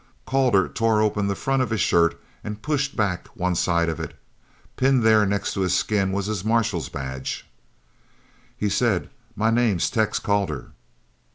Calder tore open the front of his shirt and pushed back one side of it. Pinned there next to his skin was his marshal's badge. He said: "My name's Tex Calder."